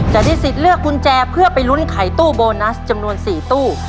จะได้สิทธิ์เลือกกุญแจเพื่อไปลุ้นไขตู้โบนัสจำนวน๔ตู้